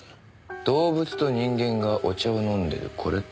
動物と人間がお茶を飲んでるこれって。